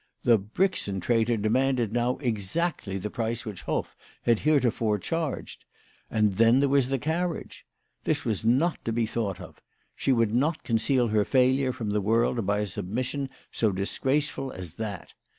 The Brixen traitor demanded now exactly the price which Hoff had heretofore charged. And then there was the carriage ! That was not to be thought of. She would not conceal her failure from the world by submission so disgraceful as that.